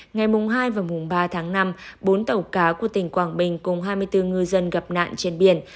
ngày mùng hai và mùng ba tháng năm bốn tàu cá của tỉnh quảng bình cùng hai mươi bốn ngư dân gặp nạn trên biển